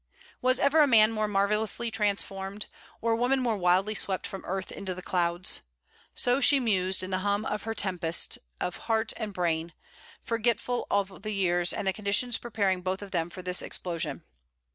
Was ever man more marvellously transformed? or woman more wildly swept from earth into the clouds? So she mused in the hum of her tempest of heart and brain, forgetful of the years and the conditions preparing both of them for this explosion.